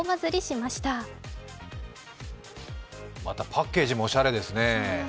またパッケージもおしゃれですね。